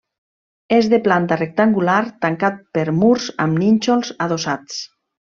És de planta rectangular, tancat per murs amb nínxols adossats.